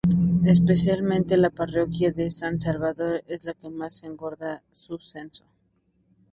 Especialmente la parroquia de San Salvador es la que más engorda su censo.